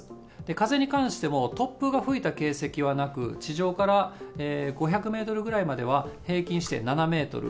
風に関しても、突風が吹いた形跡はなく、地上から５００メートルぐらいまでは、平均して７メートル。